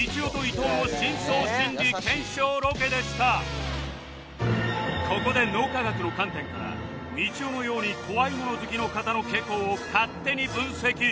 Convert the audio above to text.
以上ここで脳科学の観点からみちおのように怖いもの好きの方の傾向を勝手に分析